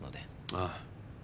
ああ。